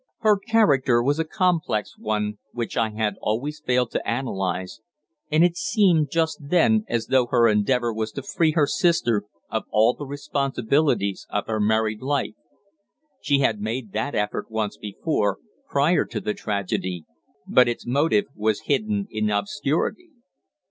Her character was a complex one which I had failed always to analyse, and it seemed just then as though her endeavour was to free her sister of all the responsibilities of her married life. She had made that effort once before, prior to the tragedy, but its motive was hidden in obscurity.